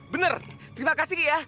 benar terima kasih ya